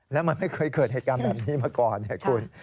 แล้วมันไม่เคยเกิดเหตุการณ์แบบนี้มาก่อนไงคุณ